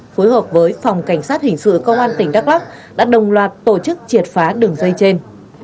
phối hợp với phòng cảnh sát hình sự công an tỉnh đắk lắc đã đồng loạt tổ chức triệt phá đường dây trên